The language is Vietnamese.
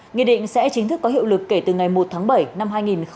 nghị định sẽ chính thức có hiệu lực kể từ ngày một tháng bảy năm hai nghìn hai mươi